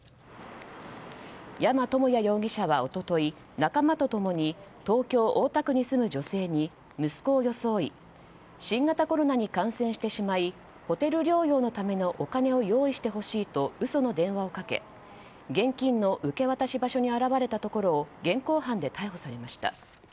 山智也容疑者は一昨日仲間と共に東京・大田区に住む女性に息子を装い新型コロナに感染してしまいホテル療養のためのお金を用意してほしいと嘘の電話をかけ現金の受け渡し場所に現れたところを現行犯で逮捕されました。